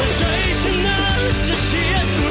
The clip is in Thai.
โอเค